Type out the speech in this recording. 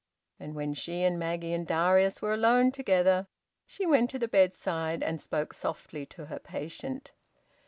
And when she and Maggie and Darius were alone together she went to the bedside and spoke softly to her patient.